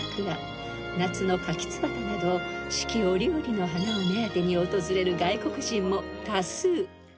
夏のカキツバタなど四季折々の花を目当てに訪れる外国人も多数］